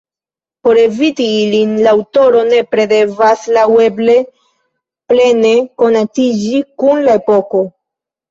Por eviti ilin, la aŭtoro nepre devas laŭeble plene konatiĝi kun la epoko.